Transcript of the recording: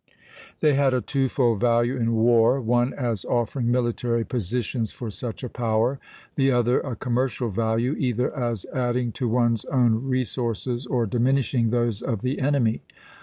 They had a twofold value in war: one as offering military positions for such a power: the other a commercial value, either as adding to one's own resources or diminishing those of the enemy.